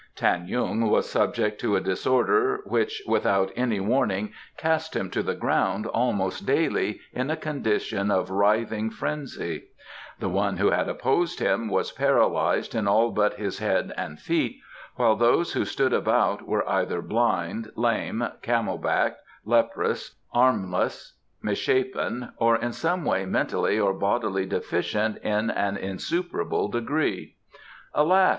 Tan yung was subject to a disorder which without any warning cast him to the ground almost daily in a condition of writhing frenzy; the one who had opposed him was paralysed in all but his head and feet, while those who stood about were either blind, lame, camel backed, leprous, armless, misshapen, or in some way mentally or bodily deficient in an insuperable degree. "Alas!"